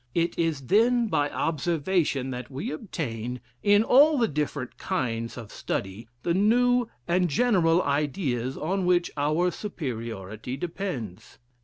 It is then by observation that we obtain, in all the different kinds of study, the new and general ideas on which our superiority depends.